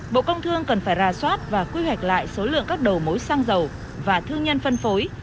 bộ công thương cần phải ra soát và quy hoạch lại số lượng các đầu mối xăng dầu và thương nhân phân phối